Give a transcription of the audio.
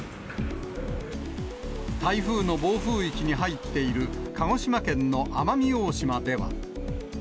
台風の暴風域に入っている鹿児島県の奄美大島では。